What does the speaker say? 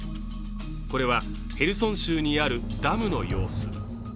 これはヘルソン州にあるダムの様子。